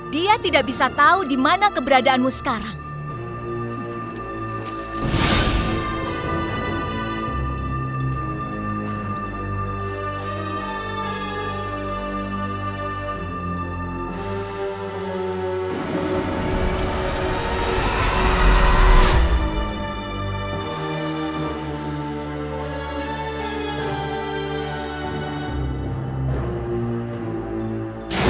dia tidak bisa tahu di mana keberadaanmu sekarang